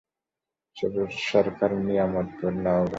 সবুজ সরকার নিয়ামতপুর, নওগাঁ।